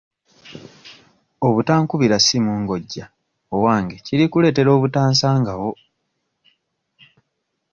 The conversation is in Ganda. Obutankubira ssimu nga ojja ewange kiri kuleetera obutansangawo.